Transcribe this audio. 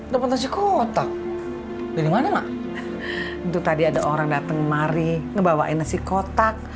dapet nasi kotak dari mana mak tadi ada orang datang kemari ngebawain nasi kotak